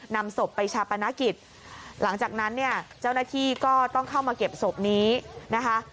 นำศพไปชาปนกิจหลังจากนั้นเนี่ยเจ้าหน้าที่ก็ต้องเข้ามาเก็บศพนี้นะคะ